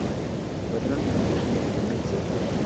بدرنګه اندېښنې د امید ضد وي